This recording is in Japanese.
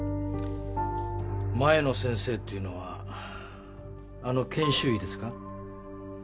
前の先生っていうのはあの研修医ですか？